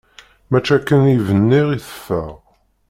Mačči akken i bniɣ i teffeɣ.